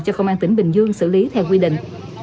cho công an tỉnh bình dương xử lý theo quy định